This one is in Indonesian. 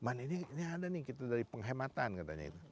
man ini ada nih dari penghematan katanya